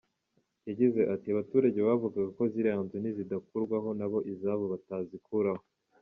Yagize ati “ Abaturage bavugaga ko ziriya nzu nizidakurwaho na bo izabo batazikuraho.